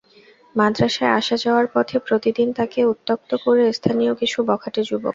মাদ্রাসায় আসা যাওয়ার পথে প্রতিদিন তাকে উত্ত্যক্ত করে স্থানীয় কিছু বখাটে যুবক।